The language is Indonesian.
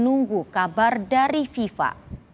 nunggu kabar dari fifa